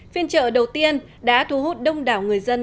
phiên chợ đầu tiên đã thu hút đông đảo người dân